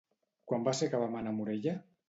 Quan va ser que vam anar a Morella?